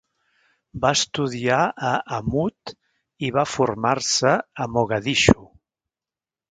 Va estudiar a Amoud, i va formar-se a Mogadishu.